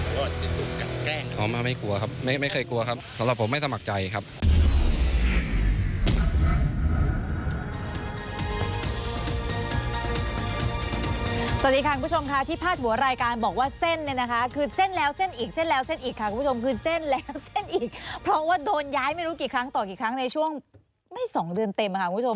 พร้อมไม่เคยกลัวครับสำหรับผมไม่สมัครใจครับ